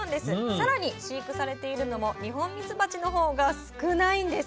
更に飼育されているのもニホンミツバチの方が少ないんです。